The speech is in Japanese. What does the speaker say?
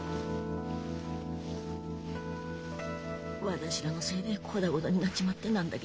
私らのせいでこだことになっちまってなんだ